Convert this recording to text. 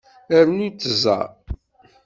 Rnu tẓa.